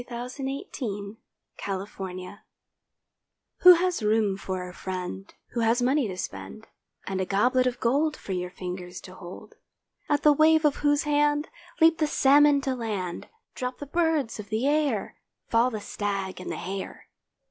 A FRIEND IN NEED Who has room for a friend Who has money to spend, And a goblet of gold For your fingers to hold, At the wave of whose hand Leap the salmon to land, Drop the birds of the air, Fall the stag and the hare.